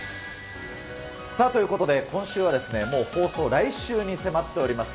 さあ、ということで、今週は、もう放送来週に迫っております